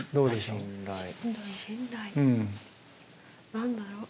何だろう。